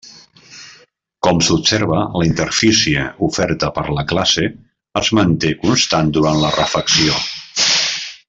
Com s'observa, la interfície oferta per la classe es manté constant durant la refacció.